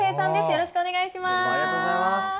よろしくお願いします。